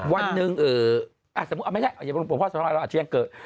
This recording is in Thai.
วันหนึ่งไม่ใช่หลวงพ่อสวทธรณ์เราอาจจะยังเกิด